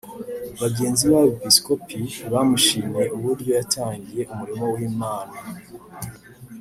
Bagenzi be b’abepisikopi bamushimiye uburyo yitangiye umurimo w’Imana